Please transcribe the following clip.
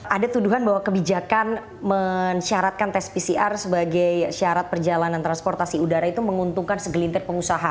ada tuduhan bahwa kebijakan mensyaratkan tes pcr sebagai syarat perjalanan transportasi udara itu menguntungkan segelintir pengusaha